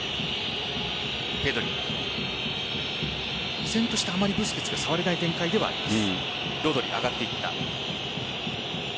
依然としてブスケツが触れない展開ではあります。